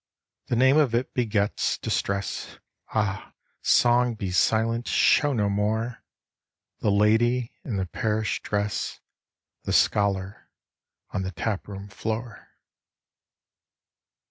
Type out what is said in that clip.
The name of it begets distress Ah, song, be silent! show no more The lady in the perished dress, The scholar on the tap room floor.